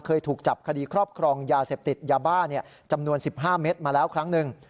เคยถูกจับคดีครอบครองยาเสพติดยาบ้าจำนวน๑๕เมตรมาแล้วครั้งหนึ่ง